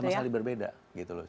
sama saling berbeda gitu loh